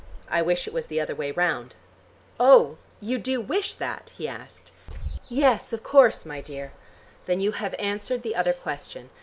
I wish it was the other way round." "Oh, you do wish that?" he asked. "Yes, of course, my dear." "Then you have answered the other question.